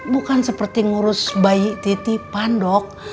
bukan seperti ngurus bayi titipan dok